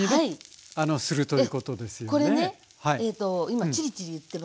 これね今チリチリいってます。